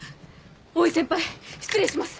大井先輩失礼します！